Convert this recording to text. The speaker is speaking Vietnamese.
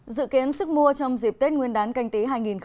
dự kiến sức mua trong dịp tết nguyên đán canh tí hai nghìn hai mươi